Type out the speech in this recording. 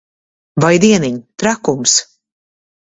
Vai dieniņ! Trakums.